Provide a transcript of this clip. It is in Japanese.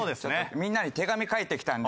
みんなに手紙書いてきたんで。